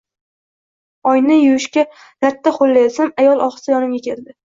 Oyna yuvishga latta ho`llayotsam, ayol ohista yonimga keldi